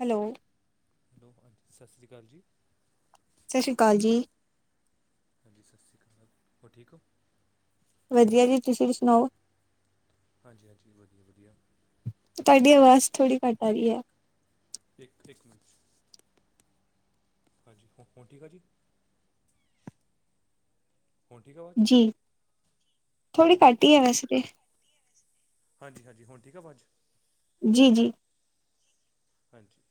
Hello? Hello ਹਾਂਜੀ ਸਤ ਸ਼੍ਰੀ ਅਕਾਲ ਜੀ। ਸਤ ਸ਼੍ਰੀ ਅਕਾਲ ਜੀ। ਹਾਂਜੀ ਸਤਿ ਸ਼੍ਰੀ ਅਕਾਲ ਹੋਰ ਠੀਕ ਹੋ? ਵਧੀਆ ਜੀ ਤੁਸੀਂ [unintelligible] ਸੁਣਾਓ? ਹਾਂਜੀ ਹਾਂਜੀ ਵਧੀਆ ਵਧੀਆ [inaudible] ਤੁਹਾਡੀ ਆਵਾਜ਼ ਥੋੜੀ ਘੱਟ ਆ ਰਹੀ ਹੈ। ਇਕ ਇਕ ਮਿੰਟ ਹਾਂਜੀ ਹੁਣ ਠੀਕ ਆ ਜੀ? ਹੁਣ ਠੀਕ ਆ ਆਵਾਜ਼ ਜੀ ਥੋੜ੍ਹੀ ਹਾਂਜੀ ਘੱਟ ਹੀ ਹੈ ਵੈਸੇ ਤੇ। ਹਾਂਜੀ ਹਾਂਜੀ ਹੁਣ ਠੀਕ ਆ ਅਵਾਜ਼? ਜੀ ਜੀ। ਹਾਂਜੀ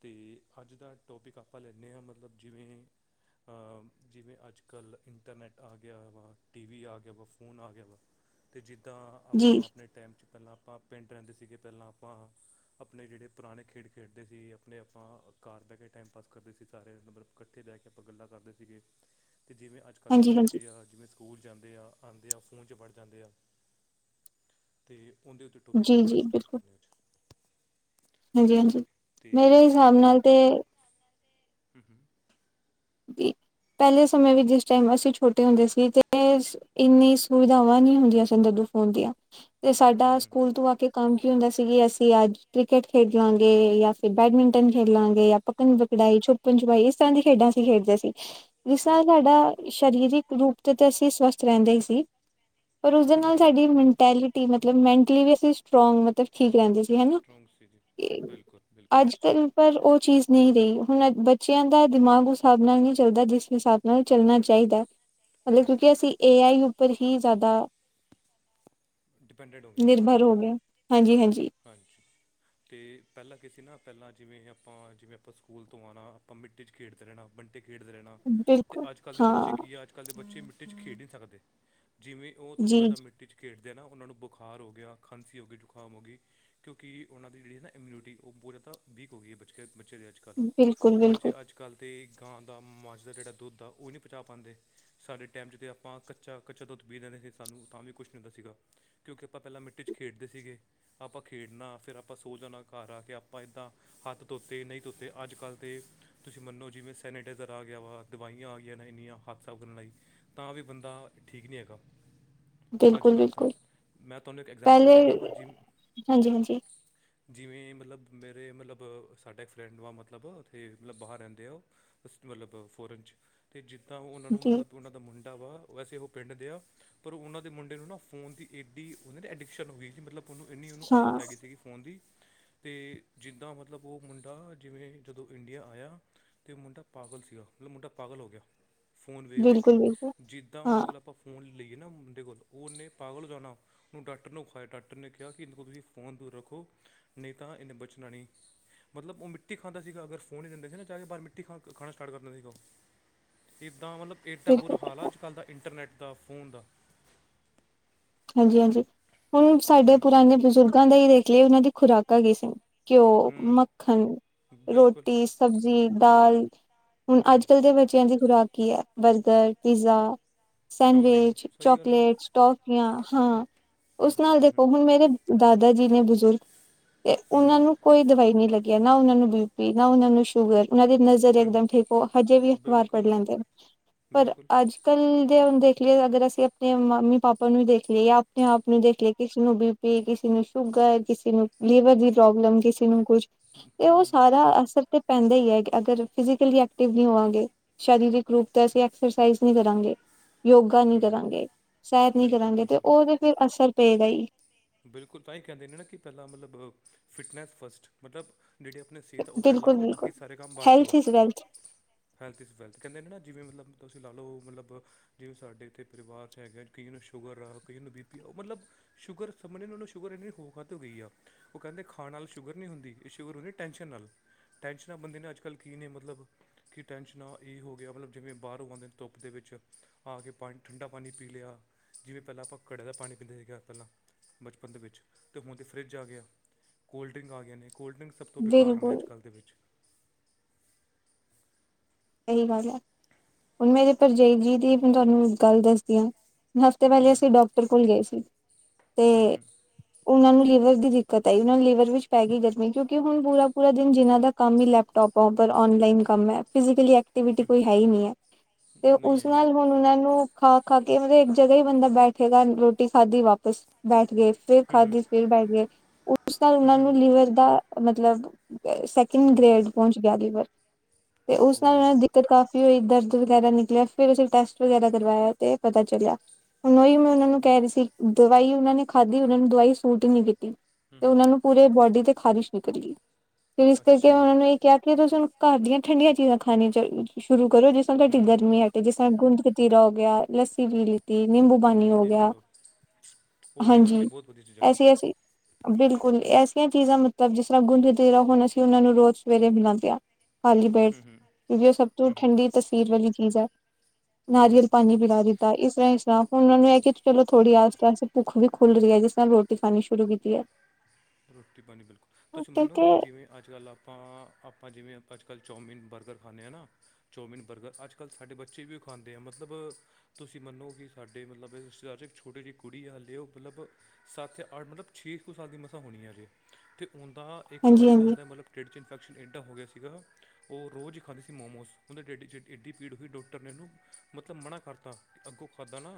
ਤੇ ਅੱਜ ਦਾ ਟੋਪਿਕ ਆਪਾਂ ਲੈਂਦੇ ਹਾਂ ਮਤਲਬ ਜਿਵੇਂ ਆ ਜਿਵੇਂ ਅੱਜ ਕੱਲ੍ਹ ਇੰਟਰਨੈੱਟ ਆ ਗਿਆ ਵਾ ਟੀ ਵੀ ਆ ਗਿਆ ਵਾ ਫੋਨ ਆ ਗਿਆ ਵਾ। [unintelligible] ਤੇ ਜਿੱਦਾਂ ਜੀ, ਆਪਾਂ ਆਪਣੇ ਟਾਈਮ ਚ ਪਹਿਲਾਂ ਆਪਾਂ ਪਿੰਡ ਰਹਿੰਦੇ ਸੀਗੇ ਪਹਿਲਾਂ ਆਪਾਂ ਆਪਣੇ ਜਿਹੜੇ ਪੁਰਾਣੇ ਖੇਡ ਖੇਡਦੇ ਸੀ ਆਪਣੇ ਆਪਾਂ ਘਰ ਬਹਿ ਕੇ ਟਾਈਮ ਪਾਸ ਕਰਦੇ ਸੀ ਸਾਰੇ ਮਤਲਬ ਕ [unintelligible] ਬਹਿ ਕੇ ਆਪਾਂ ਗੱਲਾਂ ਕਰਦੇ ਸੀਗੇ ਤੇ ਜਿਵੇਂ ਅੱਜ ਅੱਜ ਕੱਲ੍ਹ ਦੇ ਹਾਂਜੀ, ਹਾਂਜੀ। ਬੱਚੇ ਆ ਜਿਵੇਂ ਸਕੂਲ ਜਾਂਦੇ ਆ ਆਉਂਦੇ ਆ ਫੋਨ ਚ ਫੜ ਜਾਂਦੇ ਆ। ਤੇ ਉਹੰਦੇ ਉੱਦੇ ਤੋ ਟੋਪਿਕ ਜੀ, ਆਪਾਂ ਜੀ, ਸਟਾਰਟ ਬਿਲਕੁਲ। ਕਰਨੇ ਹਾਂ‌। ਹਾਂਜੀ ਹਾਂਜੀ ਮੇਰੇ ਅਤੇ ਹਿਸਾਬ ਨਾਲ ਤੇ ਹਮ ਹਮ। ਜੀ ਪਹਿਲੇ ਸਮੇਂ ਵਿੱਚ ਜਿਸ ਟਾਈਮ ਅਸੀਂ ਛੋਟ ਹੁੰਦੇ ਸੀ ਤੇ ਇੰਨੀ ਸੁਵਿਧਾਵਾਂ ਨੀ ਹੁੰਦੀਆਂ ਸਨ ਦਦੂ ਫੋਨ ਦੀਆਂ। ਤੇ ਹੂੰ ਸਾਡਾ ਹੂੰ ਹੂੰ ਸਕੂਲ ਤੋਂ ਆ ਕੇ ਕੰਮ ਕੀ ਹੁੰਦਾ ਸੀ ਕਿ ਅਸੀਂ ਅੱਜ, ਕ੍ਰਿਕਟ ਖੇਡ ਲਾਂਗੇ ਜਾਂ ਬੈਡਮਿੰਟਨ ਹੂੰ ਹੂੰ ਖੇਲਾਂਗੇ ਜਾਂ ਪੱਕੜਨ- ਪਕੜਾਈ, ਛੱਪਣ- ਛਪਾਈ, ਇਸ ਤਰ੍ਹਾਂ ਦੀਆਂ ਖੇਡਾਂ ਖੇਡਦੇ ਸੀ, ਜਿਸ ਨਾਲ ਸਾਡਾ ਬਿਲਕੁਲ ਸਰੀਰਿਕ ਰੂਪ ਤੇ ਤੇ ਅਸੀਂ ਸਵਸਥ ਰਹਿੰਦੇ ਸੀ ਪਰ ਉਸਦੇ ਹੂੰ ਨਾਲ ਹੂੰ ਸਾਡੀ ਮੈਂਟੈਲਿਟੀ ਮਤਲਬ ਮੈਂਟਲੀ ਵੀ ਅਸੀਂ ਸਟਰੋਂਗ ਮਤਲਬ ਠੀਕ ਰਹਿੰਦੇ ਸੀ ਹੈਨਾ, ਸਟਰੋਂਗ ਸੀ ਜੀ ਬਿਲਕੁਲ ਬਿਲਕੁਲ ਅੱਜ -ਕੱਲ੍ਹ ਪਰ ਉਹ ਚੀਜ਼ ਨਹੀਂ ਰਹੀ, ਹੁਣ ਬੱਚਿਆਂ ਦਾ ਦਿਮਾਗ ਉਸ ਹਿਸਾਬ ਨਾਲ ਨਹੀਂ ਚੱਲਦਾ, ਜਿਸ ਹਿਸਾਬ ਨਾਲ ਚੱਲਣਾ ਚਾਹੀਦਾ, ਮਤਲਬ ਕਿਉਂਕਿ ਬਿਲਕੁਲ ਅਸੀਂ ਏ ਆਈ ਉੱਪਰ ਹੀ ਜ਼ਿਆਦਾ, ਡਿਪੈਂਡਡ ਹੋ ਗਿਆ ਨਿਰਬਰ ਹੋ ਗਏ ਆ। ਹਾਂਜੀ-ਹਾਂਜੀ। ਹਾਂਜੀ। ਤੇ ਪਹਿਲਾਂ ਕੀ ਸੀ ਨਾ, ਪਹਿਲਾਂ ਜਿਵੇਂ ਆਪਾਂ ਜਿਵੇਂ ਆਪਾਂ, ਸਕੂਲ ਤੋਂ ਆਣਾ ਆਪਾਂ ਮਿੱਟੀ 'ਚ ਖੇਡਦੇ ਰਹਿਣਾ ਬੰਟੇ ਖੇਡਦੇ ਰਹਿਣਾ ਤੇ ਬਿਲਕੁਲ ਅੱਜ- ਕੱਲ ਦੇ ਬੱਚੇ ਹਾਂ ਕੀ ਆ ਅੱਜ ਕੱਲ ਦੇ ਬੱਚੇ ਮਿੱਟੀ ਚ ਖੇਡ ਨ ਸਕਦੇ, ਜਿਵੇਂ ਉਹ ਜੀ ਥੋੜ੍ਹਾ ਜੀ, ਜਿਆ ਮਿੱਟੀ 'ਚ ਖੇਡਦੇ ਆ ਨਾ ਉਹਨਾਂ ਨੂੰ ਬੁਖਾਰ ਹੋ ਗਿਆ, ਖਾਂਸੀ ਹੋ ਗਈ, ਜ਼ੁਕਾਮ ਹੋ ਗਈ ਕਿਉਂਕਿ ਉਹਨਾਂ ਦੀ ਜਿਹੜੀ ਨਾ ਇਮਿਊਨਿਟੀ ਉਹ ਬਹੁਤ ਜ਼ਿਆਦਾ ਵੀਕ ਹੋ ਗਈ ਹੈ ਬੱਚੇ -ਬੱਚੇ ਦੇ ਅੱਜ ਕੱਲ, ਬਿਲਕੁਲ ਬੱਚੇ ਬਿਲਕੁਲ ਅੱਜ -ਕੱਲ ਦੇ ਗਾਂ ਦਾ, ਮੱਝ ਦਾ ਜਿਹੜਾ ਦੁੱਧ ਆ ਉਹ ਨਹੀਂ ਪਚਾ ਪਾਂਦੇ। ਸਾਡੇ ਟਾਈਮ 'ਚ ਤਾਂ ਆਪਾਂ ਕੱਚਾ-ਕੱਚਾ ਦੁੱਧ ਪੀ ਲੈਂਦੇ ਸੀ ਸਾਨੂੰ ਤਾਂ ਵੀ ਕੁਛ ਨਹੀਂ ਹੁੰਦਾ ਸੀਗਾ। ਕਿਉਂਕਿ ਆਪਾਂ ਪਹਿਲਾਂ ਮਿੱਟੀ 'ਚ ਖੇਡਦੇ ਸੀਗੇ ਆਪਾਂ ਖੇਡਣਾ, ਫਿਰ ਆਪਾਂ ਸੋ ਜਾਣਾ ਘਰ ਆ ਕੇ ਆਪਾਂ ਏਦਾਂ ਹੱਥ ਧੋਤੇ, ਨਹੀਂ ਧੋਤੇ, ਅੱਜ ਕੱਲ੍ਹ ਤੇ ਤੁਸੀਂ ਮੰਨੋ, ਜਿਵੇਂ ਸੈਨੇਟਾਈਜ਼ਰ ਆ ਗਿਆ ਵਾ, ਦਵਾਈਆਂ ਆ ਗਈਆਂ ਨੇ ਇੰਨੀਆਂ, ਹੱਥ ਸਾਫ਼ ਕਰਨ ਲਈ। ਤਾਂ ਵੀ ਬੰਦਾ, ਠੀਕ ਨੀਂ ਹੈਗਾ। ਬਿਲਕੁਲ ਅੱਜ-ਕੱਲ੍ਹ ਤਾਂ, ਬਿਲਕੁਲ ਮੈਂ ਤੁਹਾਨੂੰ ਇੱਕ ਐਗਜਾਮਪਲ ਦਿੰਨਾਂ ਵਾਂ ਜਿਮ ਹਾਂਜੀ-ਹਾਂਜੀ। [unintelligible] ਜਿਵੇਂ ਮਤਲਬ, ਮੇਰੇ ਮਲਬ, ਸਾਡਾ ਇੱਕ ਫਰੈਂਡ ਵਾ ਮਤਲਬ, ਉੱਥੇ ਮਤਲਬ ਬਾਹਰ ਰਹਿੰਦੇ ਆ ਉਹ ਅਸ ਮਤਲਬ, ਫੋਰਨ ਚ' ਤੇ ਜਿੱਦਾਂ ਉਹਨਾਂ ਨੂੰ ਜੀ ਮਤਲਬ ਉਹਨਾਂ ਦਾ ਮੁੰਡਾ ਵਾ, ਵੈਸੇ ਉਹ ਪਿੰਡ ਦੇ ਆ ਪਰ ਉਹਨਾਂ ਦੇ ਮੁੰਡੇ ਨੂੰ ਨਾ ਫੋਨ ਦੀ ਏਡੀ, ਉਹਦੇ ਐਡਿਕਸ਼ਹਨ ਹੋਈ ਸੀ, ਮਤਲਬ ਉਹਨੂੰ ਇੰਨੀ ਉਹਨੂੰ ਹਾਂ ਆਦਤ ਪੈ ਗਈ ਸੀਗੀ ਫ਼ੋਨ ਦੀ, ਤੇ ਜਿੱਦਾਂ ਮਤਲਬ ਉਹ ਮੁੰਡਾ ਜਿਵੇਂ ਜਦੋਂ ਇੰਡੀਆ ਆਇਆ ਤੇ ਮੁੰਡਾ ਪਾਗਲ ਸੀਗਾ, ਮਤਲਬ ਮੁੰਡਾ ਪਾਗਲ ਹੋ ਗਿਆ, ਫੋਨ ਵੇਖ - ਵੇਖ ਕੇ, ਬਿਲਕੁਲ ਬਿਲਕੁਲ ਜਿੱਦਾਂ ਉਹਦੇ ਹਾਂ ਕੋਲ ਆਪਾਂ ਫੋਨ ਲਈਏ ਨਾ ਉਹਦੇ ਮੁੰਡੇ ਕੋਲ, ਉਹਨੇ ਪਾਗਲ ਜਾਣਾ, ਉਹਨੂੰ ਡਾਕਟਰ ਨੂੰ ਵੇਖਾਇਆ, ਡਾਕਟਰ ਨੇ ਕਿਹਾ ਕਿ ਇਹਦੇ ਕੋਲ ਤੁਸੀਂ ਫੋਨ ਦੂਰ ਰੱਖੋ, ਨਹੀਂ ਤਾਂ ਇਹਨੇ ਬਚਣਾ ਨੀਂ। ਮਤਲਬ ਉਹ ਮਿੱਟੀ ਖਾਂਦਾ ਸੀਗਾ, ਅਗਰ ਫੋਨ ਹੀ ਦਿੰਦੇ ਸੀ ਨਾ, ਚਾਹੇ ਓ ਬਾਹਰ ਮਿੱਟੀ ਖਾ ਖਾਣਾ ਸਟਾਰਟ ਕਰਦਾ ਸੀਗਾ ਓ। ਇੱਦਾਂ ਮਤਲਬ, ਏਡਾ ਬੁਰਾ ਹਾਲ ਆ ਬਿਲਕੁਲ ਅੱਜ-ਕੱਲ੍ਹ ਦਾ ਇੰਟਰਨੈੱਟ ਦਾ, ਫ਼ੋਨ ਦਾ। ਹਾਂਜੀ-ਹਾਂਜੀ। ਹੁਣ ਹੂੰ ਸਾਡੇ ਪੁਰਾਣੇ ਬਜ਼ੁਰਗਾਂ ਦਾ ਹੀ ਦੇਖ ਲਈਏ, ਉਹਨਾਂ ਦੀ ਖੁਰਾਕਾਂ ਕੀ ਸੀ ਘਿਓ, ਹੂੰ ਮੱਖਣ, ਹੂੰ, ਬਿਲਕੁਲ ਰੋਟੀ, ਸਬਜ਼ੀ, ਦਾਲ। ਹੁਣ ਹੂੰ ਅੱਜ-ਕੱਲ੍ਹ ਦੇ ਬੱਚਿਆਂ ਦੀ ਖੁਰਾਕ ਕੀ ਐ, ਬਰਗਰ, ਕੋ- ਪੀਜ਼ਾ ਚਾਊਮਿਨ ਸੈਂਡਵਿਚ, ਸਹੀ ਗੱਲ ਆ ਚੋਕਲੇਟਸ, ਟੋਫੀਆਂ ਹਾਂ ਉਸ ਨਾਲ ਦੇਖੋ ਹੁਣ ਮੇਰੇ ਦਾਦਾ ਜੀ ਨੇ ਬਜ਼ੁਰਗ, ਹੂੰ ਹੂੰ ਉਹਨਾਂ ਨੂੰ ਕੋਈ ਦਵਾਈ ਨੀ ਲੱਗੀ ਆ, ਨਾ ਉਹਨਾਂ ਨੂੰ ਬੀ ਪੀ, ਨਾ ਉਹਨਾਂ ਨੂੰ ਸ਼ੂਗਰ, ਉਹਨਾਂ ਦੇ ਨ ਜ਼ ਹੂੰ, ਇੱਕਦਮ ਠੀਕ ਹੋ, ਹਜੇ ਵੀ ਹੂੰ ਅਖ਼ਬਾਰ ਪੜ੍ਹ ਬਿਲਕੁਲ ਲੈਂਦੇ ਨੇ। ਪਰ ਬਿਲਕੁਲ ਅੱਜ ਕਲ ਦੇ ਹੁਣ ਦੇਖ ਲਈਏ ਅਗਰ ਅਸੀਂ ਆਪਣੇ ਮੰਮੀ -ਪਾਪਾ ਆਪਾਂ ਨੂੰ ਦੇਖ ਲੀਏ, ਆਪਣੇ ਆਪ ਨੂੰ ਦੇਖ ਲੀਏ, ਕਿਸੇ ਨੂੰ ਬੀ ਪੀ, ਕਿਸੇ ਨੂੰ ਸ਼ੂਗਰ, ਕਿਸੇ ਨੂੰ ਲੀਵਰ ਦੀ ਪ੍ਰੋਬਲਮ, ਕਿਸੇ ਨੂੰ ਕੁਛ ਤੇ ਓ ਸਾਰਾ ਅਸਰ ਤੇ ਪੈਂਦਾ ਈ ਐ ਅਗਰ ਫਿਜਕਲੀ ਐਕਟਿਵ ਨੀ ਹੋਵਾਂਗੇ। ਸਰੀਰਕ ਰੂਪ ਤੇ ਅਸੀਂ ਐਕਸਰਸਾਈਜ਼ ਨਈ ਕਰਾਂਗੇ, ਯੋਗਾ ਨੀ ਹੂੰ ਕਰਾਂਗੇ। ਸੈ ਬਿਲਕੁਲ ਬਿਲਕੁਲ ਓ ਤੇ ਫੇਰ, ਅਸਰ ਪੇਗਾ ਈ। ਬਿਲਕੁਲ ਤਾਂਈੰ ਕੈਂਦੇ ਨਾ, ਕੀ ਪੈਲਾਂ ਮਲਬ ਫਿਟਨਸ ਫਸਟ। ਮਤਲਬ ਜੇੜੀ ਆਪਣੀ ਸੇਤ ਆ ਓ ਪੈਲਾਂ ਬਿਲਕੁਲ ਵਾਂ ਬਾਕੀ ਬਿਲਕੁਲ ਸਾਰੇ ਕੰਮ ਬਾਦ 'ਚ ਹੈਲਥ ਆ। Is wealth health is wealth, ਕੈਂਦੇ ਨੇ ਨਾ ਜਿਵੇਂ ਮਤਲਬ ਤੁਸੀਂ ਲਾ ਲੋ, ਮਤਲਬ ਜਿਵੇਂ ਸਾਡੇ ਏਥੇ ਪਰਵਾਰ 'ਚ ਹੈਗੇ ਆ ਕਈਆਂ ਨੂੰ ਸ਼ੂਗਰ ਆ, ਕਈਆਂ ਨੂੰ ਬੀ ਪੀ ਆ। ਓ ਮਲਬ ਸ਼ੂਗਰ ਸਮਝ ਨੀ ਆਈ ਓਨਾ ਨੂੰ ਸ਼ੂਗਰ ਏਨੀ ਹੋ ਕਾਤੋਂ ਹੋ ਗਈ ਆ। ਓ ਕੈਂਦੇ ਖਾਣ ਨਾਲ ਸ਼ੂਗਰ ਨੀ ਹੁੰਦੀ, ਏ ਸ਼ੂਗਰ ਹੁੰਦੀ ਟੈਂਸ਼ਨ ਨਾਲ। ਟੈਂਸ਼ਨਾਂ ਬੰਦੇ ਨੇ ਅੱਜ ਕੱਲ ਕੀ ਨੇ ਮਤਲਬ ਕੀ ਟੈਂਨਸ਼ਨਾਂ ਏ ਹੋ ਗਿਆ, ਮਲਬ ਜਿਵੇਂ ਬਾਰੋਂ ਆਂਦੇ ਨੇ ਧੁੱਪ ਦੇ ਵਿੱਚ। ਆ ਕੇ ਪਾਣੀ ਠੰਡਾ ਪਾਣੀ ਪੀ ਲਿਆ, ਜਿਵੇਂ ਪੈਲਾਂ ਆਪਾਂ ਘੜੇ ਦਾ ਪਾਣੀ ਪੀਂਦੇ ਸੀਗੇ ਪੈਲਾਂ। ਬਚਪਨ ਦੇ ਵਿੱਚ ਤੇ ਮਤਬ ਫਰਿੱਜ ਆ ਗਿਆ, ਕੋਲਡ ਡਰਿੰਕ ਆ ਗੇ ਨੇ, ਕੋਲਡ ਡਰਿੰਕ ਸਭ ਤੋਂ ਬੇਕਾਰ ਨੇ ਬਿਲਕੁਲ ਅੱਜ ਕੱਲ੍ਹ ਦੇ ਵਿੱਚ। ਏਹੀ ਗੱਲ ਐ, ਹੁਣ ਮੇਰੇ ਪਰਜਾਈ ਜੀ ਦੀ ਮੈਂ ਤਾਨੂੰ ਗੱਲ ਦਸਦੀ ਆ। ਹੁੁਣ ਹਫ਼ਤੇ ਪੈਲੇ ਅਸੀਂ ਡਾਕਟਰ ਕੋਲ ਗਏ ਸੀ। ਹੂੰ ਤੇ ਹੂੰ ਓਨਾਂ ਨੂੰ ਲੀਵਰ ਦੀ ਦਿੱਕਤ ਆਈ, ਓਨਾ ਨੂੰ ਲੀਵਰ ਵਿੱਚ ਪੈ ਗੀ ਗਰਮੀ। ਕਿਉਂਕਿ ਹੁਣ ਪੂਰਾ ਪੂਰਾ ਦਿਨ ਜਿਨਾਂ ਦਾ ਕੰਮ ਈ ਲੈਪਟੋਪਾਂ ਉੱਪਰ ਔਨਲਾਈਨ ਕੰਮ ਐ। ਫਿਜ਼ਕਲੀ ਐਕਟੀਵਿਟੀ ਕੋਈ ਹੈ ਈ ਨੀ ਐ, ਤੇ ਨਹੀਂ ਉਸ ਹੈਗੀ ਨਾਲ ਹੁਣ ਓਨਾਂ ਨੂੰ ਖਾ-ਖਾ ਕੇ ਮਤਲਬ ਇੱਕ ਜਗ੍ਹਾ ਈ ਬੰਦਾ ਬੈਠੇਗਾ, ਰੋਟੀ ਖਾਧੀ ਵਾਪਸ ਬੈਠ ਗੇ। ਫੇਰ ਖਾਧੀ ਫਿਰ ਬੈ ਗੇ, ਉਸ ਨਾਲ ਓਨਾਂ ਨੂੰ ਲਿਵਰ ਦਾ ਮਤਲਬ ਸੈਕਿੰਡ ਗ੍ਰੇਡ ਪਹੁੰਚ ਗਿਆ ਲਿਵਰ ਤੇ ਓਹ ਉਸ ਹੋ ਨਾਲ ਓਨਾਂ ਹੋ ਦੀ ਤੇ ਕਾਫ਼ੀ ਹੋਈ ਦਰਦ ਵਗੈਰਾ ਨਿਕਲਿਆ, ਫੇਰ ਅਸੀ ਟੈਸਟ ਵਗੈਰਾ ਕਰਵਾਇਆ ਤੇ ਪਤਾ ਚਲਿਆ। ਹੁਣ ਓਈ ਮੈਂ ਓਨਾਂ ਨੂੰ ਕੈ ਰੀ ਸੀ, ਦਵਾਈ ਓਨਾਂ ਨੇ ਖਾਧੀ ਓਨਾਂ ਨੂੰ ਦਵਾਈ ਸੂਟ ਈ ਨੀ ਕੀਤੀ। ਤੇ ਓਨਾਂ ਨੂੰ ਪੂਰੇ ਬੋਡੀ ਤੇ ਖ਼ਾਰਿਸ਼ ਨਿਕਲ ਗੀ, ਫੇਰ ਏਸ ਕਰਕੇ ਅੱਛਾ ਓਨਾਂ ਨੂੰ ਏ ਕਿਆ ਕੀ ਤੁਸੀਂ ਹੁਣ ਘਰ ਦੀਆਂ ਠੰਡੀਆਂ ਚੀਜ਼ਾਂ ਖਾਣੀਆਂ 'ਚ ਸ਼ੁਰੂ ਕਰੋ। ਜਿਸ ਤਰ੍ਹਾਂ ਤੁਆਡੀ ਹੂੰ ਗਰਮੀ ਹੂੰ ਅਟੇ, ਜਿਸ ਤਰ੍ਹਾਂ ਗੁੰਦ ਕਤੀ ਕਤੀਰਾ ਹੋ ਗਿਆ, ਲੱਸੀ ਪੀ ਲੀਤੀ, ਨਿੰਬੂ ਪਾਣੀ ਓ ਲੱਸੀ ਪੀ ਗਿਆ। ਲਓ ਉਹ ਲੀਵਰ ਲਈ ਹਾਂਜੀ, ਬਹੁਤ ਵਧੀਆ ਚੀਜ਼ਾਂ ਹੈ ਐਸੀ- ਐਸੀ। ਬਿਲਕੁਲ ਐਸੀਆਂ ਚੀਜ਼ਾਂ ਮਤਲਬ ਜਿਸ ਤਰ੍ਹਾਂ ਗੁੰਦ ਕਤੀਰਾ, ਹੁਣ ਅਸੀਂ ਓਨਾਂ ਨੂੰ ਰੋਜ਼ ਸਵੇਰੇ ਮਿਲਾਂ ਦੇ ਆਂ। ਖਾਲੀ ਪੇਟ ਕਿਉਕਿ ਓ ਸਭ ਤੋਂ ਠੰਡੀ ਤਸੀਰ ਵਾਲੀ ਚੀਜ਼ ਆ। ਨਾਰੀਅਲ ਪਾਣੀ ਪਿਲਾ ਦਿੱਤਾ, ਇਸਰ੍ਹਾਂ ਇਸਰ੍ਹਾਂ ਹੁਣ ਓਨਾਂ ਨੂੰ ਐ ਕੀ ਚਲੋ ਥੋੜੀ ਆਸ ਪਾਸ ਭੁੱਖ ਵੀ ਖੁੱਲ ਰੀ ਐ ਜਿਸਰ੍ਹਾਂ ਰੋਟੀ ਰੋਟੀ ਖਾਣੀ ਸ਼ੁਰੂ ਕੀਤੀ। ਹੈ। ਰੋਟੀ ਪਾਣੀ ਬਿਲਕੁਲ, ਤੁਸੀਂ ਕਿਉਂਕਿ ਮੰਨੋਗੇ ਜਿਵੇਂ ਅੱਜ ਕੱਲ੍ਹ ਆਪਾਂ, ਆਪਾਂ ਜਿਵੇਂ ਅੱਜ ਕੱਲ੍ਹ ਚੌਮਿਨ ਬਰਗਰ ਖਾਂਣੇ ਆਂ ਨਾ। ਚੌਮਿਨ ਬਰਗਰ ਅੱਜ ਕੱਲ੍ਹ ਸਾਡੇ ਬੱਚੇ ਵੀ ਓ ਖਾਂਦੇ ਆ, ਮਤਲਬ। ਤੁਸੀਂ ਮੰਨੋ ਕੀ ਸਾਡੇ ਮਤਲਬ ਰਿਸ਼ਤੇਦਾਰ ਇੱਕ ਛੋਟੀ ਜੀ ਕੁੜੀ ਆ, ਹਾਲੇ ਓ ਮਤੜਲਬ ਸੱਤ ਜਾਂ ਅੱਠ ਮਲਬ ਛੇ ਕੁ ਸਾਲ ਦੀ ਮੱਸਾਂ ਹੋਣੀ ਅਜੇ, ਤੇ ਓੰਦਾ ਇੱਕ ਹਾਂਜੀ ਵਾਰੀ ਤਾਂ ਹਾਂਜੀ ਓਦਾ ਮਤਲਬ ਢੇਡ 'ਚ ਇਨਫੈਕਸ਼ਨ ਏਡਾ ਹੋ ਗਿਆ ਸੀਗਾ, ਓ ਰੋਜ਼ ਈ ਖਾਂਦੀ ਸੀ ਮੋਮੋਸ, ਓੰਦੇ ਢੇਡ 'ਚ ਏਡੀ ਭੀੜ ਹੋਈ ਡਾਕਟਰ ਨੇ ਓਨੂੰ ਮਤਲਬ ਮਨਾ ਕਰਤਾ, ਅੱਗੋਂ ਖਾਧਾ ਨਾ।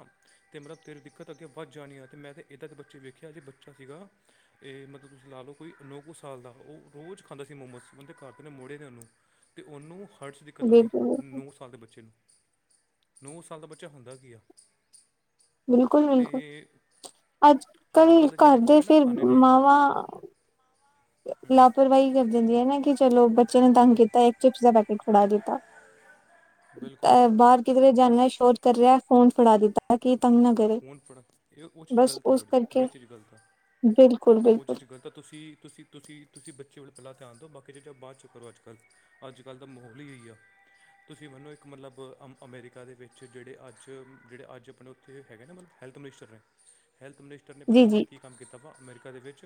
ਤੇ ਮਤਲਬ ਤੇਰੀ ਦਿੱਕਤ ਅੱਗੇ ਵੱਧ ਜਾਣੀ, ਆ ਤੇ ਮੈਂ ਤੇ ਏਦਾਂ ਦੇ ਬੱਚੇ ਵੇਖੇ ਆ ਜੇ ਬੱਚਾ ਸੀਗਾ ਏ ਮਤਲਬ ਤੁਸੀਂ ਲਾ ਲਓ ਕੋਈ ਨੋ ਕੁ ਸਾਲ ਦਾ, ਓ ਰੋਜ਼ ਖਾਂਦਾ ਸੀ ਮੋਮੋਸ ਓਦੇ ਘਰ ਦੇ ਨੇ ਮੋੜੇ ਨੇ ਓਨੂੰ ਤੇ ਓਨੂੰ ਹਾਟ 'ਚ ਦਿੱਕਤ ਆ ਗੀ। ਬਿਲਕੁਲ ਨੌ ਸਾਲ ਸਾਲ ਦੇ ਬੱਚੇ ਨੂੰ, ਨੌ ਸਾਲ ਦਾ ਬੱਚਾ ਹੁੰਦਾ ਕੀ ਆ। ਤੇ ਬਿਲਕੁਲ-ਬਿਲਕੁਲ। ਅੱਜ ਅੱਜ-ਕੱਲ ਕੱਲ੍ਹ ਘਰ ਜਿਹੜੇ ਦੇ ਉਹਨੇ ਨਾ ਫੇਰ ਖਾਣੇ ਨੇ ਮਾਵਾਂ ਲਾਪਰਵਾਈ ਕਰ ਦਿੰਦੀਐਂ ਨਾ ਕਿ ਚਲੋ ਬੱਚੇ ਨੇ ਤੰਗ ਕੀਤਾ ਏੱਕ ਚਿਪਸ ਦਾ ਪੈਕੇਟ ਫੜਾ ਦਿੱਤਾ। ਬਿਲਕੁਲ ਐ ਬਾਰ ਕਿਧਰੇ ਬਸ ਜਾਨੈ ਸ਼ੋਰ ਕਰ ਰਿਐ ਫੋਨ ਫੜਾ ਦਿੱਤਾ ਕਿ ਤੰਗ ਨਾ ਕਰੇ ਫੋਨ ਫੜਾ, ਏ ਓ ਚੀਜ ਬਸ ਗਲਤ ਆ ਉਸ ਬੜੀ, ਕਰਕੇ ਬੜੀ ਚੀਜ ਗਲਤ ਆ। ਬਿਲਕੁਲ ਓ ਬਿਲਕੁਲ ਚੀਜ ਗਲਤ ਆ ਤੁਸੀ, ਤੁਸੀਂ‌ ਤੁਸੀ, ਤੁਸੀ ਬੱਚੇ ਵੱਲ ਪੈਲਾਂ ਧਿਆਨ ਦਿਉ ਬਾਕੀ ਚੀਜਾਂ ਬਾਦ 'ਚ ਕਰੋ ਅੱਜ-ਕੱਲ। ਅੱਜ-ਕੱਲ ਦਾ ਮਹੋਲ ਈ ਏ ਈ ਆ। ਤੁਸੀਂ ਮੰਨੋ ਇੱਕ ਮਤਲਬ ਅ ਅਮ ਅਮੈਰੀਕਾ ਦੇ ਵਿੱਚ ਜੇੜੇ ਅੱਜ ਜੜੇ ਅੱਜ ਆਪਨੇ ਓ ਥੇ ਹੈਗੇ ਨੇ ਮਤਲਬ ਹੈਲਥ ਮਨਿਸਟਰ ਨੇ, ਹੈਲਥ ਮਨਿਸਟਰ ਨੇ ਜੀ ਪੈਲੋਂ ਓਥੇ ਜੀ ਕੀ ਕੰਮ ਕੀਤਾ ਵਾ ਅਮੈਰੀਕਾ ਦੇ ਵਿੱਚ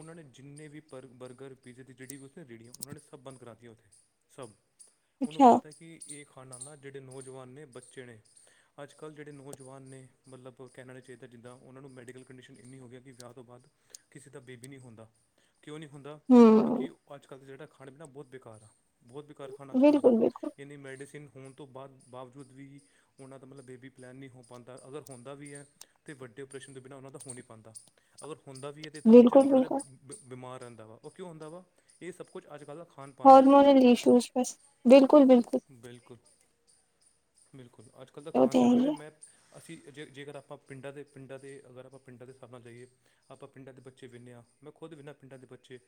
ਓਨਾਂ ਨੇ ਜਿੰਨੇ ਵੀ ਪਰ ਬਰਗਰ, ਪੀਜ਼ੇ ਦੀ ਜੜੀ ਵੀ ਓਥੇ ਰੇੜੀਆਂ, ਓਨਾਂ ਨੇ ਸਭ ਬੰਦ ਕਰਾਤੀਆਂ ਓਥੇ। ਸਭ। ਓਨੂੰ ਅੱਛਾ ਪਤੈ ਕਿ ਏ ਖ਼ਾਨਾ ਨਾ ਜੜੇ ਨੌਜਵਾਨ ਨੇ ਬੱਚੇ ਨੇ ਅੱਜ-ਕੱਲ ਜੜੇ ਨੌ ਜਵਾਨ ਨੇ ਮਤਲਬ ਕੈਨਾ ਨੀ ਚਾਈਦਾ ਜਿੱਦਾਂ ਓਨਾਂ ਨੂੰ ਮੈਡੀਕਲ ਕੰਡੀਸ਼ਨ ਏਨੀਂ ਹੋ ਗਿਆ ਕਿ ਵਿਆ ਤੋਂ ਬਾਦ ਕਿਸੇ ਦਾ ਬੇਬੀ ਨੀ ਹੁੰਦਾ ਕਿਓਂ ਨੀ ਹੁੰਦਾ ਕਿਓਂਕਿ ਹੂੰ ਓ ਅੱਜ-ਕੱਲ ਦਾ ਜੜਾ ਖਾਣਾ ਪੀਣਾ ਬੋਤ ਬੇਕਾਰ ਆ, ਬੋਹੋਤ ਬੇਕਾਰ ਖਾਣਾ ਅੱਜ-ਕੱਲ ਦਾ। ਬਿਲਕੁਲ ਬਿਲਕੁਲ ਏਨੀਂ ਮੈਡੀਸਿਨ ਹੋਨ ਤੋਂ ਬਾਦ ਬਾਵਜੂਦ ਵੀ ਓਨਾਂ ਦਾ ਮਤਲਬ ਬੇਬੀ ਪਲੈਨ ਨੀ ਹੋ ਪਾਂਦਾ। ਅਗਰ ਹੁੰਦਾ ਵੀ ਐ ਤੇ ਵੱਡੇ ਓਪਰੇਸ਼ਨ ਦੇ ਬਿਨਾਂ ਓਨਾਂ ਦਾ ਹੋ ਨੀ ਪਾਂਦਾ। ਅਗਰ ਹੁੰਦਾ ਵੀ ਏ ਤੇ ਏੱਥੋ ਬੱਚਾ ਬਿਲਕੁਲ ਥੋੜਾ ਜਿਆ ਬਿਲਕੁਲ ਬਿ ਬਿਮਾਰ ਰੈਂਦਾ ਵਾ। ਓ ਕਿਓਂ ਹੁੰਦਾ ਵਾ, ਏ ਸਭ ਕੁੱਛ ਅੱਜ-ਕੱਲ ਦਾ ਖਾਣ ਪਾਣ ਹੈ ਹੋਰਮੋਨਲ ਇਸ਼ੂਜ਼ ਬਸ। ਬਿਲਕੁਲ-ਬਿਲਕੁਲ। ਬਿਲਕੁਲ। ਬਿਲਕੁਲ, ਅੱਜ-ਕੱਲ ਦਾ ਉਹ ਖਾਣ ਤੇ ਹੈ ਪਾਣ ਹੀ ਵੈ ਹੈ ਮੈਂ ਅਸੀਂ ਅ ਜੇ ਜੇਕਰ ਆਪਾਂ ਪਿੰਡਾਂ ਦੇ, ਪਿੰਡਾਂ ਦੇ ਅਗਰ ਆਪਾਂ ਪਿੰਡਾਂ ਦੇ ਹਿਸਾਬ ਨਾਲ ਜਾਈਏ ਆਪਾਂ ਪਿੰਡਾਂ ਦੇ ਬੱਚੇ ਵਿੰਨੇਂ ਆਂ। ਮੈਂ ਖੁਦ ਵਿੰਨਾਂ ਪਿੰਡਾਂ ਦੇ ਬੱਚੇ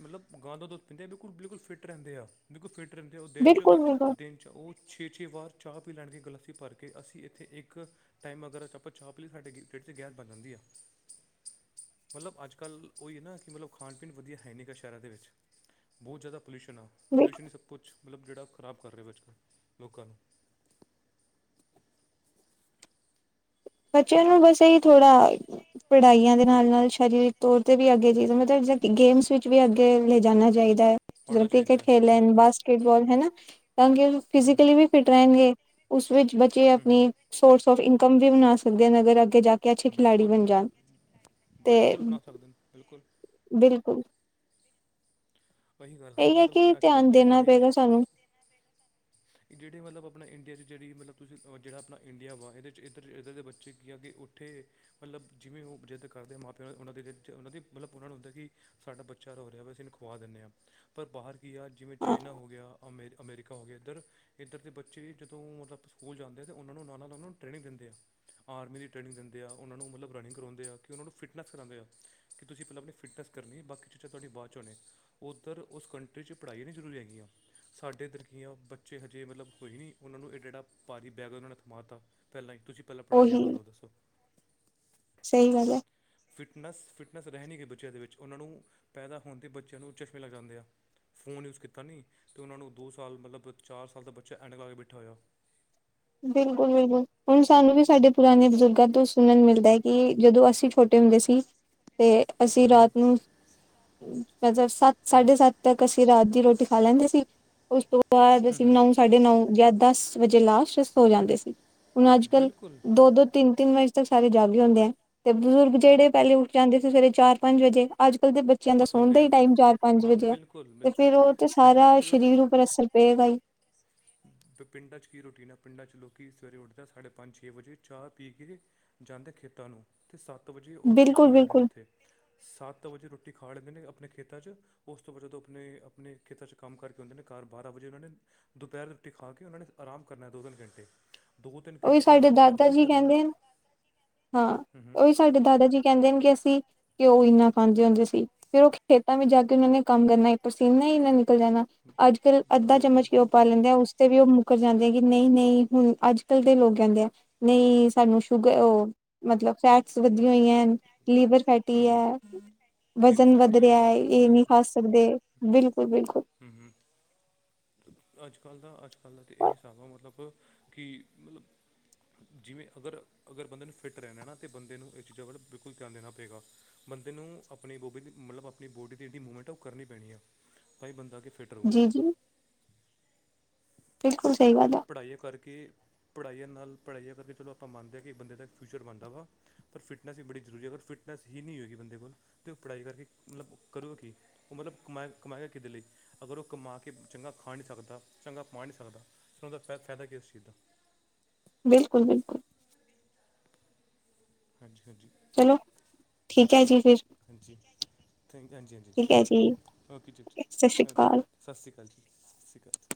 ਮਤਲਬ ਗਾਂ ਦਾ ਦੁੱਧ ਪੀਂਦੇ ਆ ਬਿਲਕੁਲ, ਬਿਲਕੁਲ ਫਿੱਟ ਰੈਂਦੇ ਆ। ਬਿਲਕੁਲ ਫਿੱਟ ਰੈਂਦੇ ਆ ਓ ਦਿਨ 'ਚ ਬਿਲਕੁਲ ਬਿਲਕੁਲ ਦਿਨ 'ਚ ਓ ਛੇ-ਛੇ ਵਾਰ ਚਾਅ ਪੀ ਲੈਣਗੇ ਗਲਾਸੀ ਭਰ ਕੇ। ਅਸੀਂ ਏੱਥੇ ਏੱ ਕ ਟਾਈਮ ਅਗਰ ਏੱਥੇ ਆਪਾਂ ਚਾਅ ਪੀ ਲਈ ਸਾਡੇ ਗੀ ਢੇਡ 'ਚ ਗੈਸ ਬਨ ਜਾਂਦੀ ਆ। ਮਤਲਬ ਅੱਜ-ਕੱਲ ਓਈ ਐ ਨਾ ਕਿ ਮਤਲਬ ਖਾਨ ਪੀਨ ਵਧੀਆ ਹੈ ਨੀ ਗਾ ਸ਼ੈਰਾਂ ਦੇ ਵਿੱਚ। ਬੋਤ ਜਾਦਾ ਪੋਲਿਊਸ਼ਨ ਆ। ਬਿਲਕੁਲ ਪੋਲਿਊਸ਼ਨ ਈ ਸਭ ਕੁਛ ਮਤਲਬ ਜੇੜਾ ਖ਼ਰਾਬ ਕਰ ਰੇ ਵੇ ਅੱਜ-ਕੱਲ, ਲੋਕਾਂ ਨੂੰ। ਬੱਚਿਆਂ ਨੂੰ ਬਸ ਐਈ ਥੋੜਾ ਪੜਾਈਆਂ ਦੇ ਨਾਲ-ਨਾਲ ਸ਼ਾਰੀਰਿਕ ਤੋਰ ਤੇ ਵੀ ਅੱਗੇ [unintelligible] ਮਤਲਬ ਜ ਗ ਗੇਮਸ ਵਿੱਚ ਵੀ ਅੱਗੇ ਲੈ ਜਾਨਾਂ ਚਾਈਦੈ। ਯਾਂ ਕ੍ਰਿਕਟ ਖੇਲ ਲੈਨ, ਬਾਸਕਿਟਬਾਲ ਹੈਨਾ ਤਾਂ ਕਿ ਫਿਜ਼ਕਲੀ ਵੀ ਫਿੱਟ ਰੈਨਗੇ। ਉਸ ਵਿੱਚ ਬੱਚੇ ਆਪਨੂੰ ਸੋਰਸ ਆਫ ਇਨਕਮ ਵੀ ਬਨਾ ਸਕਦੇ ਨੇ ਅਗਰ ਅੱਗੇ ਜਾ ਕੇ ਅੱਛੇ ਖਿਲਾੜੀ ਬਿਲਕੁਲ, ਬਣ ਜਾਣ ਤੇ ਬਿਲਕੁਲ ਬਨਾ ਸਕਦੇ ਨ। ਬਿਲਕੁਲ ਬਿਲਕੁਲ। ਪ ਅਹੀ ਗੱਲ ਐ ਨਾ ਇਹੀ ਹੈ ਮਤਲਬ ਕਿ ਅੱਜ-ਕੱਲ ਧਿਆਨ ਦੇਣਾ ਜੜੇ ਪਏਗਾ ਸਾਨੂੰ ਜੇੜੇ ਮਤਲਬ ਆਪਨਾ ਇੰਡੀਆ ਦੀ ਜੜੀ ਮਤਲਬ ਤੁਸੀਂ ਅ ਵ ਜੜਾ ਆਪਨਾ ਇੰਡੀਆ ਵਾ ਏਦੇ 'ਚ ਏੱਧਰ, ਏੱਧਰ ਦੇ ਬੱਚੇ ਕੀ ਆ ਕਿ ਓ ਥੇ ਮਤਲਬ ਜਿਵੇਂ ਓ ਜਿੱਦ ਕਰਦੇ ਆ ਮਾਂ ਪਿਓ ਓਨਾਂ ਦੇ ਜੇ ਓਨਾਂ ਦੀ ਮਤਲਬ ਓਨਾਂ ਨੂੰ ਹੁੰਦੈ ਕਿ ਸਾਡਾ ਬੱਚਾ ਰੋ ਰਿਐ ਬਸ ਏਨੂੰ ਖਵਾ ਦਿੰਨੇ ਆਂ। ਪਰ ਬਾਹਰ ਕੀ ਆ ਜਿਵੇਂ ਹਾਂ ਚਾਈਨਾ ਹੋ ਗਿਆ, ਅਮੇ ਅਮੈਰੀਕਾ ਹੋ ਗਿਆ ਇੱਧਰ ਏੱਧਰ ਦੇ ਬੱਚੇ ਜਦੋਂ ਮਤਲਬ ਸਕੂਲ ਜਾਂਦੇ ਆ ਤੇ ਓਨਾਂ ਨੂੰ ਨਾਲ-ਨਾਲ ਓਨਾਂ ਨੂੰ ਟ੍ਰੇਨਿੰਗ ਦੇਂਦੇ ਆ। ਆਰਮੀ ਦੀ ਟ੍ਰੇਨਿੰਗ ਦਿੰਦੇ ਆ, ਓਨਾਂ ਨੂੰ ਮਤਲਬ ਰਨਿੰਗ ਕਰਵਾਉਂਦੇ ਆ ਕਿ ਓਨਾਂ ਨੂੰ ਫਿਟਨੈਸ ਕਰਾਂਦੇ ਆ ਕਿ ਤੁਸੀਂ ਪੈਲਾਂ ਆਪਨੀ ਫਿਟਨੈਸ ਕਰਨੀ ਏ ਬਾਕੀ ਚੀਜਾਂ ਤੁਆਡੀ ਬਾਦ 'ਚ ਹੋਨੇ ਏ। ਓਧਰ ਓਸ ਕੰਟਰੀ 'ਚ ਪੜਾਈ ਨੀ ਜਰੂਰੀ ਹੈਗੀਆਂ। ਸਾਡੇ ਏੱਧਰ ਕੀਂ ਆਂ ਓ ਬੱਚੇ ਹਜੇ ਮਤਲਬ ਕੋਈ ਨੀ ਓਨਾਂ ਨੂੰ ਐਡਾ-ਐਡਾ ਭਾਰੀ ਬੈਗ ਓਨਾਂ ਨੇ ਥਮਾ ਤਾ ਪੈਲਾਂ ਈ ਤੁਸੀਂ ਪੈਲੋਂ ਪੜਾਈਆ ਕਰੋ, ਦੱਸੋ। ਸਈ ਗੱਲ ਐ। ਫਿਟਨੈਸ, ਫਿਟਨੈਸ ਰਹਿ ਨੀ ਗਈ ਬੱਚਿਆਂ ਦੇ ਵਿੱਚ, ਓਨਾਂ ਨੂੰ ਪੈਦਾ ਹੋਣ ਦੇ ਬੱਚਿਆਂ ਨੂੰ ਚਸ਼ਮੇ ਲਗ ਜਾਂਦੇ ਆ। ਫੋਨ ਯੂਜ ਕੀਤਾ ਨੀ ਤੇ ਓਨਾਂ ਨੂੰ ਦੋ ਸਾਲ ਮਤਲਬ ਚਾਰ ਸਾਲ ਦਾ ਬੱਚਾ ਐਨਕ ਲਾ ਕੇ ਬੈਠਾ ਹੋਏਆ। ਬਿਲਕੁਲ-ਬਿਲਕੁਲ ਹੁਨ ਸਾਨੂੰ ਵੀ ਸਾਡੇ ਪੁਰਾਨੇ ਬਜ਼ੁਰਗਾਂ ਤੋਂ ਸੁਣਨ ਮਿਲਦਾ ਈ ਕਿ ਜਦੋਂ ਅਸੀਂ ਛੋਟੇ ਹੁੰਦੇ ਸੀ ਤੇ ਅਸੀਂ ਰਾਤ ਨੂੰ ਮਤਲਬ ਸੱਤ ਸਾਢੇ ਸੱਤ ਤੱਕ ਅਸੀਂ ਰਾਤ ਦੀ ਰੋਟੀ ਖਾ ਲੈਂਦੇ ਸੀ ਉਸ ਤੋਂ ਬਾਦ ਅਸੀਂ ਹੂੰ ਨੋ ਸਾਢੇ ਨੌਉ ਯਾ ਦਸ ਵਜੇ ਲਾਸਟ ਸੋ ਜਾਂਦੇ ਸੀ ਹੁਨ ਅੱਜ-ਕੱਲ ਬਿਲਕੁਲ ਦੋ-ਦੋ ਤਿੰਨ-ਤਿੰਨ ਵਜੇ ਤੱਕ ਸਾਰੇ ਜਾਗਦੇ ਹੁੰਦੇ ਐ ਤੇ ਬਜ਼ੁਰਗ ਜੇੜੇ ਪੈਲੇ ਉੱਠ ਜਾਂਦੇ ਸੀ ਸਵੇਰੇ ਚਾਰ ਪੰਜ ਵਜੇ ਅੱਜ-ਕੱਲ ਦੇ ਬੱਚੇਆਂ ਦਾ ਆਪਾਂ ਸੌਣ ਦਾ ਸੁਣਦੇ ਈ ਹਾਂ ਟਾਈਮ ਚਾਰ-ਪੰਜ ਹਾਂ ਵਜੇ ਐ। ਬਿਲਕੁਲ ਤੇ ਬਿਲਕੁਲ ਫਿਰ ਓ ਤੇ ਸਾਰਾ ਪਿੰਡਾਂ 'ਚ ਸ਼ਰੀਰ ਉਪਰ ਅਸਰ ਪਏਗਾ ਈ। ਤੇ ਪਿੰਡਾਂ ਚ ਕੀ ਰੋਟੀਨ ਐ ਪਿੰਡਾਂ ਚ ਲੋਕੀ ਸਵੇਰੇ ਉੱਠਦੇ ਐ ਸਾਡੇ ਪੰਜ ਛੇ ਵਜੇ ਚਾ ਪੀ ਕੇ ਜਾਂਦੇ ਖੇਤਾਂ ਨੂੰ ਤੇ ਸੱਤ ਵਜੇ ਓ ਰੋਟੀ ਬਿਲਕੁਲ ਖਾ ਲੈਂਦੇ ਨੇ ਬਿਲਕੁਲ ਓਥੇ। ਸੱਤ ਵਜੇ ਰੋਟੀ ਖਾ ਲੈਂਦੇ ਨੇ ਆਪਨੇ ਖੇਤਾਂ ਚ। ਓਸ ਤੋਂ ਬਾਦ ਜਦੋਂ ਆਪਨੇ-ਆਪਨੇ ਖੇਤਾਂ ਚ ਕੰਮ ਕਰਕੇ ਔਂਦੇ ਨੇ ਘਰ ਬਾਰਾਂ ਵਜੇ ਓਨਾਂ ਨੇ ਦੁਪੈਰ ਟੀ ਖਾ ਕੇ ਓਨਾਂ ਨੇ ਆਰਾਮ ਕਰਨੈ ਦੋ-ਤਿੰਨ ਘੰਟੇ। ਦੋ ਤਿੰਨ ਓਈ ਘੰਟੇ ਸਾਡੇ ਆਰਾਮ ਦਾਦਾ ਕਰਕੇ ਜੀ ਫਿਰ ਉਹਨਾਂ ਕੈਂਦੇ ਨੇ, ਹਾਂ ਓਈ ਸਾਡੇ ਦਾਦਾ ਜੀ ਕੈਂਦੇ ਨੇ ਕਿ ਅਸੀਂ ਘਿਓ ਇੰਨਾ ਖਾਂਦੇ ਹੁੰਦੇ ਸੀ ਫਿਰ ਓ ਖੇਤਾਂ ਵਿੱਚ ਜਾ ਕੇ ਓਨਾਂ ਨੇ ਕੰਮ ਕਰਨਾ ਈ ਪਸੀਨਾ ਈ ਏਨਾ ਨਿਕਲ ਜਾਨਾ। ਅੱਜ-ਕੱਲ ਅੱਦਾ ਬੋ- ਚਮਚ ਘਿਓ ਬਿਲਕੁਲ ਪਾ ਲੈਂਦੇ ਆ ਉਸ ਤੇ ਵੀ ਓ ਮੁੱਕਰ ਜਾਂਦੇ ਆ ਕਿ ਨਈਂ-ਨਈਂ ਹੁਨ ਅੱਜ-ਕੱਲ ਦੇ ਲੋਕ ਕੈਂਦੇ ਆ। ਨਈਂ ਸਾਨੂੰ ਸ਼ੂਗਰ ਓ ਮਤਲਬ ਫੈਟ ਸ ਵਦੀਆ ਹੋਈਐ, ਲੀਵਰ ਫੈਟੀ ਐ ਲੀਵਰ ਵਜ਼ਨ ਵਦ ਫੈਟੀ ਆ ਰਿਆ ਇਹ ਐ ਵਾ ਏ ਸਹੀ ਨੀ ਖਾ ਸਕਦੇ ਬਿਲਕੁਲ-ਬਿਲਕੁਲ। ਹੂੰ-ਹੂੰ। ਅੱਜ-ਕੱਲ ਦਾ ਅੱਜ-ਕੱਲ ਦਾ ਤਾਂ ਏਹੀ ਸਾਬ ਐ ਮਤਲਬ ਕਿ ਮਤਲਬ ਜਿਵੇਂ ਅਗਰ-ਅਗਰ ਬੰਦੇ ਨੂੰ ਫਿੱਟ ਰੈਨਾ ਐ ਨਾ ਤਾਂ ਬੰਦੇ ਨੂੰ ਏ ਚੀਜ਼ਾਂ ਵੱਲ ਬਿਲਕੁਲ ਧਿਆਨ ਦੇਨਾ ਪੇਗਾ। ਬੰਦੇ ਨੂੰ ਆਪਨੀ ਬੋਬੀ ਦੀ ਮਤਲਬ ਆਪਨੀ ਬੋਡੀ ਦੀ ਜੇੜੀ ਮੂਮੈਂਟ ਐ ਓ ਕਰਨੀ ਪੈਨੀ ਐ ਭਾਈ ਬੰਦਾ ਕਿੱਥੇ ਫਿੱਟ ਰਊਗਾ। ਜੀ ਜੀ ਬਿਲਕੁਲ ਸਹੀ ਗੱਲ ਮਤਲਬ ਆ ਪੜਾਈਆ ਕਰਕੇ ਪੜਾਈਆਂ ਨਾਲ ਪੜਾਈਆਂ ਕਰਕੇ ਚਲੋ ਆਪਾਂ ਮੰਨਦੇ ਆਂ ਕਿ ਬੰਦੇ ਦਾ ਇੱਕ ਫਿਊਚਰ ਬਨਦਾ ਵਾ। ਪਰ ਫਿਟਨਸ ਵੀ ਬੜੀ ਜ਼ਰੂਰੀ ਐ ਅਗਰ ਫਿਟਨਸ ਈ ਨਈਂ ਹੋਏਗੀ ਬੰਦੇ ਕੋਲ ਤੇ ਓ ਪੜਾਈ ਕਰਕੇ ਮਤਲਬ ਕਰੂਗਾ ਕੀ। ਓ ਮਤਲਬ ਕਮਾਏ-ਕਮਾਏ ਗਾ ਕਿਦੇ ਲਈ ਅਗਰ ਓ ਕਮਾ ਕੇ ਚੰਗਾ ਖਾ ਨੀ ਸਕਦਾ ਚੰਗਾ ਪਾ ਨੀ ਸਕਦਾ ਫੇਰ ਓਦਾ ਫੈ-ਫੈਦਾ ਕੀ ਆ ਓਸ ਚੀਜ਼ ਦਾ। ਬਿਲਕੁਲ-ਬਿਲਕੁਲ। ਹਾਂਜੀ-ਹਾਂਜੀ। ਚਲੋ ਠੀਕ ਐ ਜੀ ਫਿਰ। ਹਾਂਜੀ, ਠੀਕ ਐ ਜੀ ਫਿਰ, ਠੀਕ ਹਾਂਜੀ-ਹਾਂਜੀ ਜੀ ਠੀਕ ਹੈ ਓਕੇ-ਓਕੇ ਜੀ, ਠੀਕ ਐ ਸਤਿ ਸ਼੍ਰੀ ਜੀ ਓਕੇ। ਅਕਾਲ ਸਸ਼ੀ ਕਾਲ ਜੀ ਸਸ਼ੀ ਕਾਲ ਜੀ।